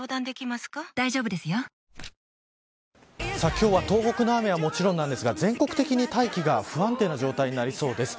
今日は東北の雨はもちろんですが全国的に大気が不安定な状態になりそうです。